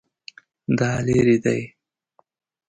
دا لیرې دی؟